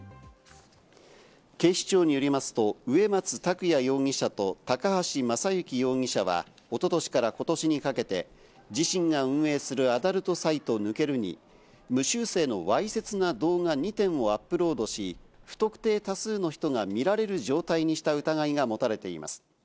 警視庁によりますと、上松拓也容疑者と高橋政行容疑者は、おととしから今年にかけて、自身が運営するアダルトサイト「ヌケル」に無修正のわいせつな動画２点をアップロードし、不特定多数の人が見られる状態にした疑いが持たれています。